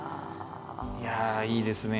いやあいいですね。